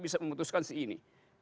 bisa memutuskan segini